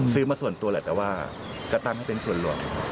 ซื้อมาส่วนตัวแหละแต่ว่าก็ตั้งให้เป็นส่วนรวม